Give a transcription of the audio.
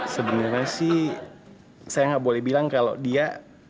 sebenernya sih saya gak boleh bilang kalo dia